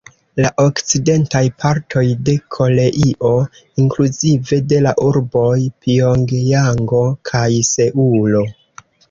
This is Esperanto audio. La okcidentaj partoj de Koreio, inkluzive de la urboj Pjongjango kaj Seulo.